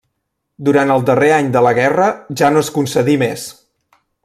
Durant el darrer any de la guerra, ja no es concedí més.